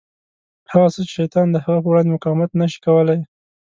هغه څه چې شیطان د هغه په وړاندې مقاومت نه شي کولای.